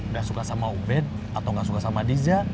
udah suka sama ubed atau nggak suka sama diza